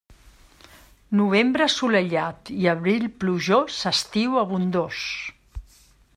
Novembre assolellat i abril plujós, estiu abundós.